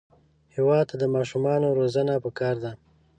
هېواد ته د ماشومانو روزنه پکار ده